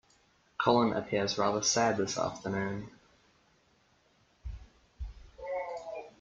Colin appears rather sad this afternoon